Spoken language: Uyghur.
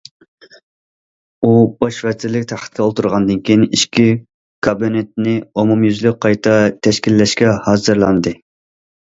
ئۇ باش ۋەزىرلىك تەختىگە ئولتۇرغاندىن كېيىن، ئىچكى كابىنېتنى ئومۇميۈزلۈك قايتا تەشكىللەشكە ھازىرلاندى.